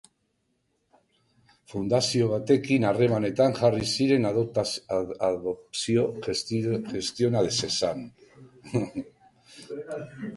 Fundazio batekin harremanetan jarri ziren adopzioa gestiona zezan.